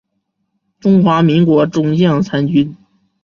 中华民国中将参军。